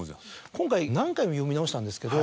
今回何回も読み直したんですけど。